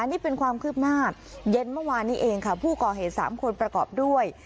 นี่เป็นความคืบหน้าเย็นเมื่อวานนี้เองค่ะผู้ก่อเหตุ๓คนประกอบด้วย